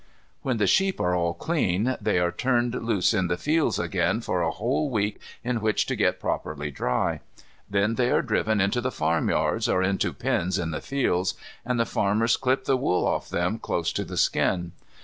When the sheep are all clean they are turned loose in the fields again for a whole week in which to get properly dry. Then they are driven into the farmyards or into pens in the fields, and the farmers clip the wool off them close to the skin.